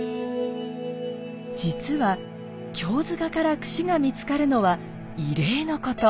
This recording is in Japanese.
実は経塚からくしが見つかるのは異例のこと。